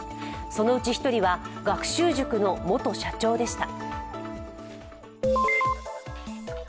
そのうち１人は学習塾の元社長でした。